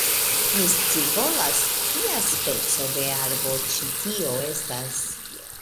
Mi scivolas, kia speco de arbo, ĉi tio estas